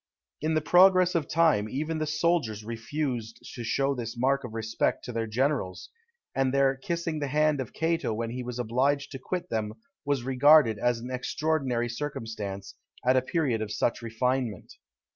In the progress of time even the soldiers refused to show this mark of respect to their generals; and their kissing the hand of Cato when he was obliged to quit them was regarded as an extraordinary circumstance, at a period of such refinement.